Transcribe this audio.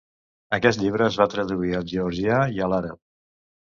Aquest llibre es va traduir al georgià i a l"àrab.